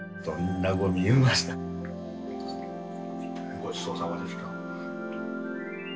ごちそうさまでした。